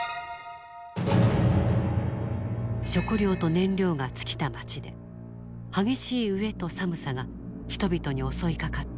食料と燃料が尽きた町で激しい飢えと寒さが人々に襲いかかった。